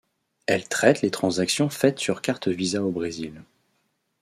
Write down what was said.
Elle traite les transactions faites sur cartes Visa au Brésil.